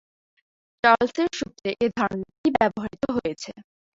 চার্লসের সূত্রে এই ধারণাটি ব্যবহৃত হয়েছে।